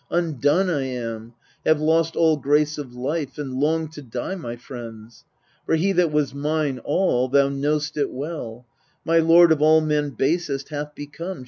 Undone I am ; have lost All grace of life, and long to die, my friends. For he that was mine all thou know'st it well 9 My lord, of all men basest hath become.